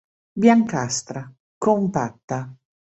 Biancastra, compatta.